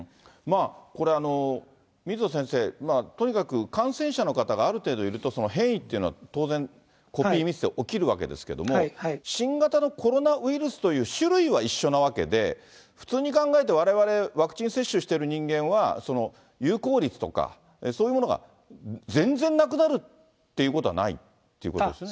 これ、水野先生、とにかく感染者の方がある程度いると、変異というのは当然コピーミスで起きるわけですけども、新型のコロナウイルスという種類は一緒なわけで、普通に考えて、われわれワクチン接種している人間は、有効率とか、そういうものが全然なくなるっていうことはないってことですよね。